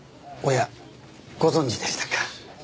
おやご存じでしたか。